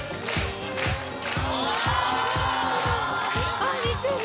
あ！あっ似てる。